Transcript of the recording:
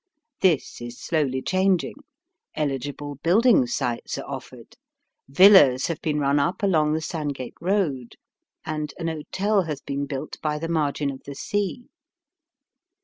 This is slowly changing. Eligible building sites are offered, villas have been run up along the Sandgate Road, and an hotel has been built by the margin of the sea.